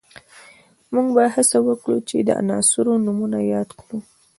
موږ به هڅه وکړو چې د عناصرو نومونه یاد کړو